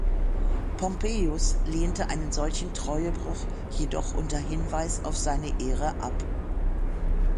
Pompeius lehnte einen solchen Treuebruch jedoch unter Hinweis auf seine Ehre ab.